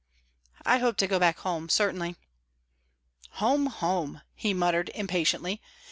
"I hope to go back home, certainly." "Home, home!" he muttered, impatiently.